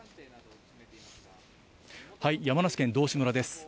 山梨県道志村です。